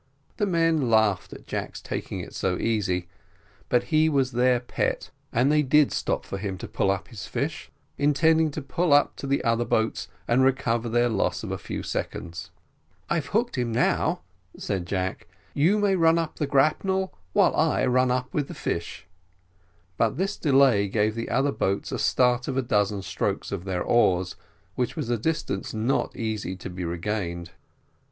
The men laughed at Jack's taking it so easy, but he was their pet; and they did stop for him to pull up his fish, intending to pull up to the other boats and recover their loss of a few seconds. "I've hooked him now," said Jack; "you may up with the grapnel while I up with the fish." But this delay gave the other boats a start of a dozen strokes of their oars, which was a distance not easy to be regained.